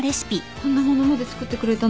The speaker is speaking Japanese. こんな物まで作ってくれたの？